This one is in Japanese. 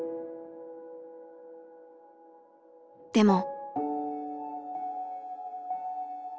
でも。